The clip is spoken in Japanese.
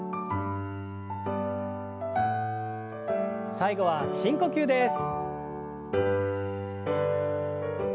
最後は深呼吸です。